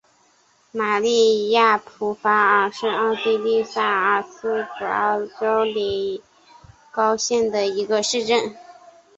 玛丽亚普法尔是奥地利萨尔茨堡州隆高县的一个市镇。